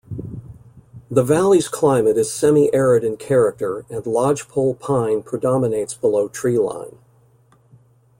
The valley's climate is semi-arid in character and lodgepole pine predominates below treeline.